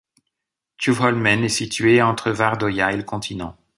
Tjuvholmen est située entre Vardøya et le continent.